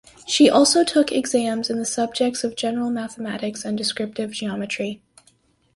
She also took exams in the subjects of General Mathematics and Descriptive Geometry.